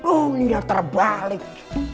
oh ini yang terbalik